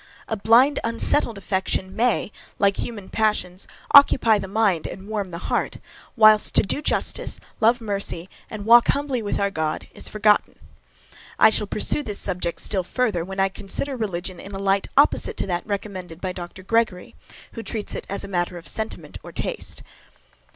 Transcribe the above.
A blind unsettled affection may, like human passions, occupy the mind and warm the heart, whilst, to do justice, love mercy, and walk humbly with our God, is forgotten. I shall pursue this subject still further, when I consider religion in a light opposite to that recommended by Dr. Gregory, who treats it as a matter of sentiment or taste.